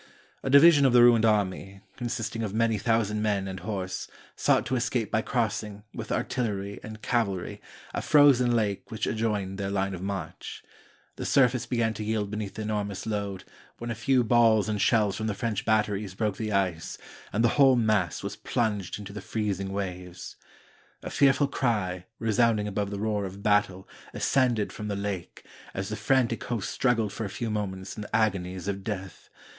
A division of the ruined army, consisting of many thousand men and horse, sought to escape by crossing, with artillery and cavalry, a frozen lake which adjoined their line of march. The surface began to yield beneath the enormous load, when a few balls and shells from the French batteries broke the ice, and the whole mass was plunged into the freezing waves. A fearful cry, resound ing above the roar of battle, ascended from the lake, as the frantic host struggled for a few moments in the agonies of death.